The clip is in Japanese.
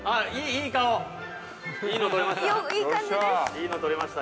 いいの撮れました。